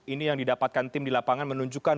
ini yang didapatkan tim di lapangan menunjukkan